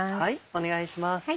お願いします。